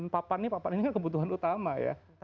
papan ini papan ini kan kebutuhan utama ya